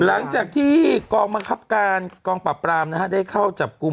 หลังจากที่กองบังคับการกองปรับปรามนะฮะได้เข้าจับกลุ่ม